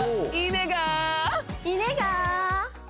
いねがぁ？